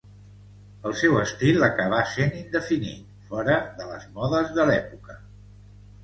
El seu estil acabà sent indefinit, fora de les modes de l'època.